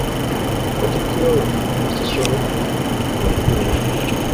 Katikkiro we ye Kisolo oli era.